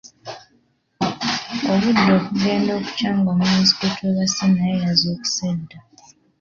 Obudde okugenda okukya nga omulenzi gwetwebase naye yazuukuse dda.